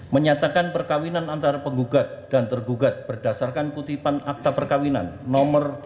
menyatakan perkawinan antara penggugat dan tergugat berdasarkan kutipan akta perkawinan no tiga ribu dua ratus tujuh puluh sembilan